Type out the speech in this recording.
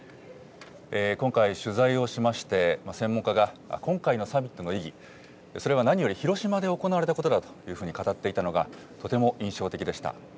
今回、取材をしまして、専門家が、今回のサミットの意義、それは何より広島で行われたことだというふうに語っていたのが、とても印象的でした。